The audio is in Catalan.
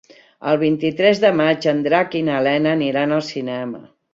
El vint-i-tres de maig en Drac i na Lena aniran al cinema.